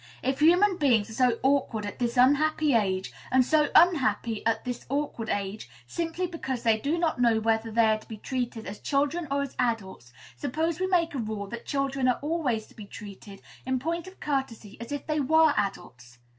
If human beings are so awkward at this unhappy age, and so unhappy at this awkward age, simply because they do not know whether they are to be treated as children or as adults, suppose we make a rule that children are always to be treated, in point of courtesy, as if they were adults?